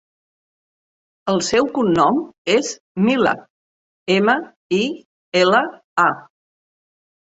El seu cognom és Mila: ema, i, ela, a.